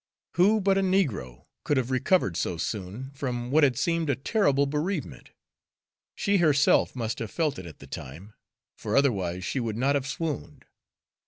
Who but a negro could have recovered so soon from what had seemed a terrible bereavement? she herself must have felt it at the time, for otherwise she would not have swooned.